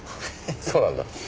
そうなんだ。